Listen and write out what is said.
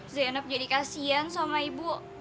zainab jadi kasian sama ibu